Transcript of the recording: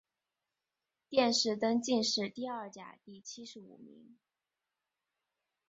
殿试登进士第二甲第七十五名。